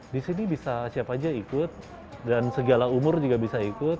di sini bisa siapa aja ikut dan segala umur juga bisa ikut